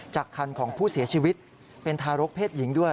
คันของผู้เสียชีวิตเป็นทารกเพศหญิงด้วย